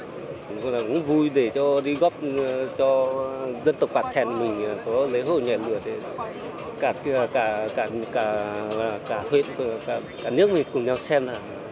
tôi cũng vui để đi góp cho dân tộc pà thèn mình có lễ hội nhảy lửa để cả huyện cả nước mình cùng nhau xem